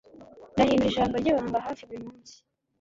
Ndahindura ijambo ryibanga hafi buri munsi